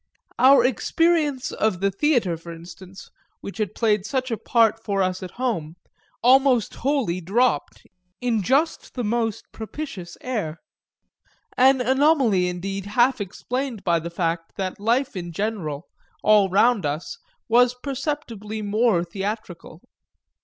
Our experience of the theatre for instance, which had played such a part for us at home, almost wholly dropped in just the most propitious air: an anomaly indeed half explained by the fact that life in general, all round us, was perceptibly more theatrical.